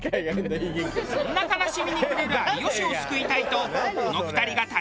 そんな悲しみに暮れる有吉を救いたいとこの２人が立ち上がった。